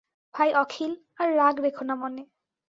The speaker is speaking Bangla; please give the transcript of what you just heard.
ভাই অখিল, আর রাগ রেখো না মনে।